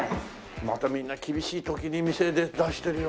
またみんな厳しい時に店出してるよね。